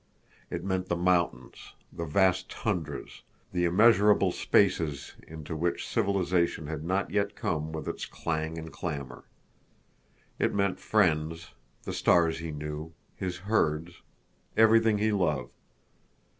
It meant the mountains, the vast tundras, the immeasurable spaces into which civilization had not yet come with its clang and clamor. It meant friends, the stars he knew, his herds, everything he loved.